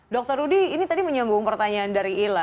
dr rudy ini tadi menyambung pertanyaan dari ila